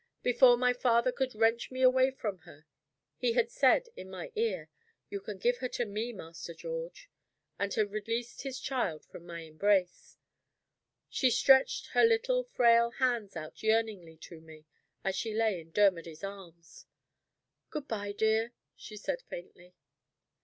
Before my father could wrench me away from her, he had said in my ear, "You can give her to me, Master George," and had released his child from my embrace. She stretched her little frail hands out yearningly to me, as she lay in Dermody's arms. "Good by, dear," she said, faintly.